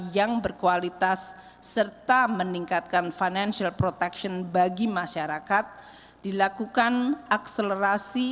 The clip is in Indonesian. yang berkualitas serta meningkatkan financial protection bagi masyarakat dilakukan akselerasi